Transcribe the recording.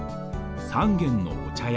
三軒のお茶屋。